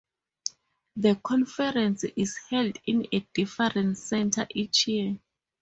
The conference is held in a different centre each year.